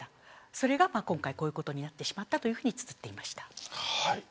それが今回こういうことになってしまったとつづっていました。